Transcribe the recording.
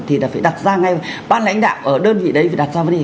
thì phải đặt ra ngay bác lãnh đạo ở đơn vị đấy phải đặt ra vấn đề